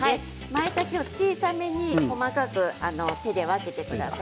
まいたけを小さめに切り分けてください。